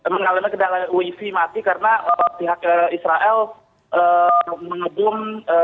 mengalami kendala wifi mati karena pihak israel mengebum